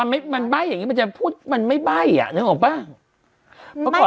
มันใบ้อย่างนี้มันจะพูดมันไม่ใบ้อ่ะนึกออกป่ะ